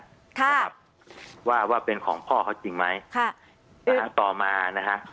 ค่ะว่าว่าเป็นของพ่อเขาจริงไหมค่ะต่อมานะฮะ